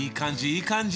いい感じ！